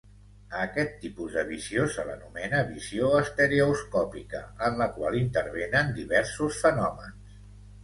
A aquest tipus de visió se l'anomena visió estereoscòpica, en la qual intervenen diversos fenòmens.